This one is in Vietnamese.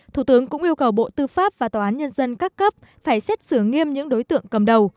thủ tướng cũng yêu cầu bộ tư pháp và tòa án nhân dân các cấp phải xét xử nghiêm những đối tượng cầm đầu